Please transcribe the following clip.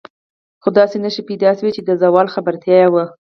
خو داسې نښې پیدا شوې چې د زوال خبرتیا وه.